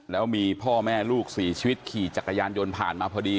แล้วมีพ่อแม่ลูกสี่ชีวิตขี่จักรยานยนต์ผ่านมาพอดี